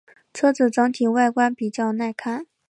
车子整体外观比较耐看。